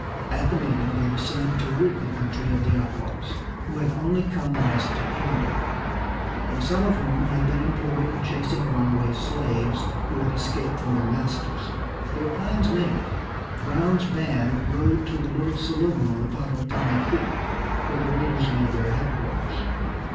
At the meeting they decided to rid the country of the outlaws, who had only come west to plunder, and some of whom had been employed in chasing runaway slaves who had escaped from their masters. Their plans made, Brown's band rode to a little saloon on the Pottawatomie Creek where the raiders made their headquarters.